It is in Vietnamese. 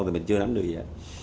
thì mình chưa đánh được gì